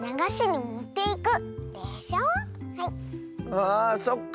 あそっか。